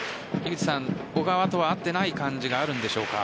小川とは合っていない感じがあるんでしょうか？